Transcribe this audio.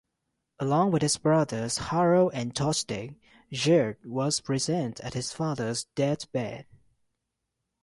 Along with his brothers Harold and Tostig, Gyrth was present at his father's death-bed.